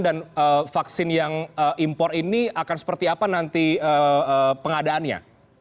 dan vaksin yang impor ini akan seperti apa nanti pengadaannya